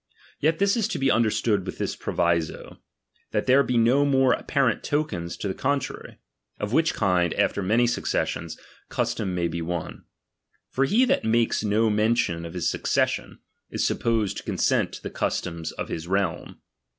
Yet this is to be understood with this proviso, that there be no more apparent tokens to the contrary : of which kind, after many successions, custom may be one. For he that makes no mention of his succession, is supposed to consent to the customs of his realm.